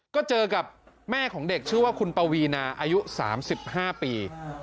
ก็เจอกับแม่ของเด็กชื่อว่าคุณปวีนาอายุ๓๕ปี